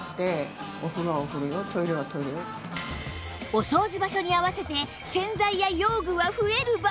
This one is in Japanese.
お掃除場所に合わせて洗剤や用具は増えるばかり